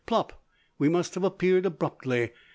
Plop! We must have appeared abruptly.